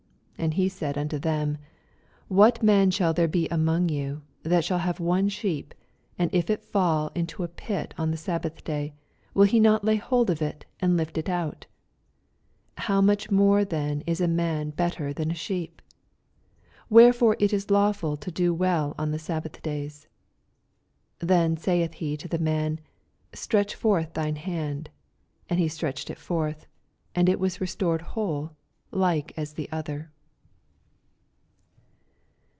11 And he said unto them, What man shall there be among you, that shall have one sheep, and if it fall into a pit on the sabbath day, will he not lay hold on it, and lift U out? 12 How much then is a man better than a sheep t Wherefore it is lawftil to do well on the sabbath davs. 18 Then saith he to the man, Stretch forth thine band. And he stretched U forth ; and it was restored whole, like as the other.